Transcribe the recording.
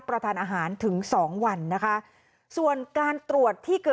เผื่อ